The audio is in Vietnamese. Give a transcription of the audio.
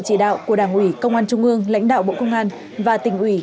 chỉ đạo của đảng ủy công an trung ương lãnh đạo bộ công an và tỉnh ủy